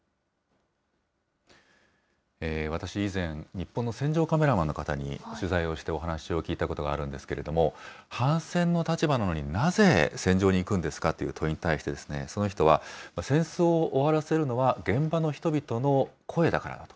私、以前、日本の戦場カメラマンの方に取材をしてお話を聞いたことがあるんですけれども、反戦の立場なのになぜ戦場に行くんですか？という問いに対して、その人は、戦争を終わらせるのは現場の人々の声だから。